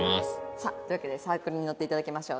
さあというわけでサークルに乗っていただきましょう。